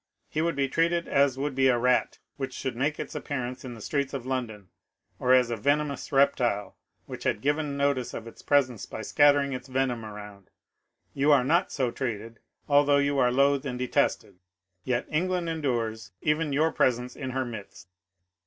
He would be treated as would be a rat which should make its appearance in the streets of London, or as a venom ous reptile which had given notice of its presence by scatter ing its venom around. You are not so treated ; although you are loathed and detested, yet England endures even your presence in her midst.